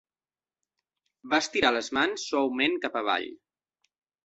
Va estirar les mans suaument cap avall.